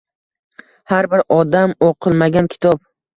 Har bir odam – o‘qilmagan kitob.